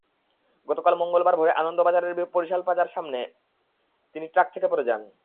গতকাল মঙ্গলবার ভোরে আনন্দবাজারের বরিশাল প্লাজার সামনে তিনি ট্রাক থেকে পড়ে যান।